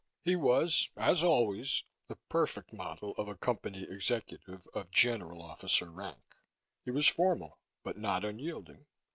He was, as always, the perfect model of a Company executive of general officer rank. He was formal, but not unyielding.